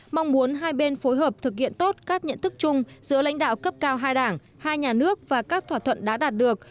mong muốn hai bên phối hợp thực hiện tốt các nhận thức chung giữa lãnh đạo cấp cao hai đảng hai nhà nước và các thỏa thuận đã đạt được